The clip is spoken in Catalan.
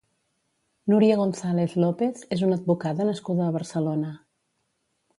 Núria González López és una advocada nascuda a Barcelona.